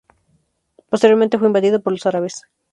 Posteriormente fue invadido por los árabes.